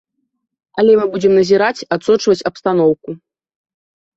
Але мы будзем назіраць, адсочваць абстаноўку.